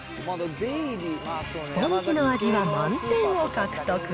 スポンジの味は満点を獲得。